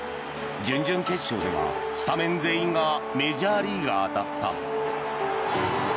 準々決勝ではスタメン全員がメジャーリーガーだった。